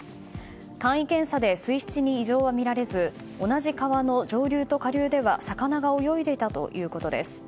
簡易検査で水質に異常は見られず同じ川の上流と下流では魚が泳いでいたということです。